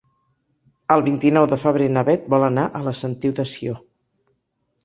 El vint-i-nou de febrer na Bet vol anar a la Sentiu de Sió.